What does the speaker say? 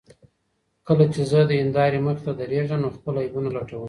کله چې زه د هندارې مخې ته درېږم نو خپل عیبونه لټوم.